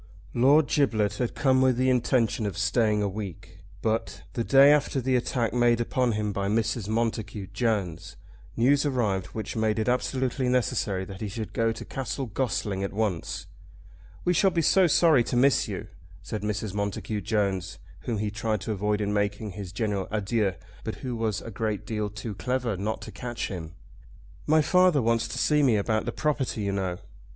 Lord Giblet had come with the intention of staying a week, but, the day after the attack made upon him by Mrs. Montacute Jones, news arrived which made it absolutely necessary that he should go to Castle Gossling at once. "We shall be so sorry to miss you," said Mrs. Montacute Jones, whom he tried to avoid in making his general adieux, but who was a great deal too clever not to catch him. "My father wants to see me about the property, you know."